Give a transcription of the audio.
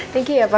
thank you ya pak